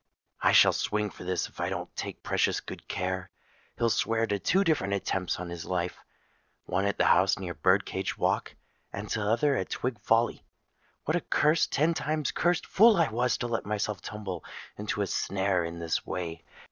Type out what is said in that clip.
I shall swing for this if I don't take precious good care. He'll swear to two different attempts on his life—one at the old house near Bird cage Walk, and t'other at Twig Folly. What a cursed—ten times cursed fool I was to let myself tumble into a snare in this way!